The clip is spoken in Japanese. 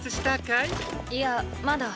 いやまだ。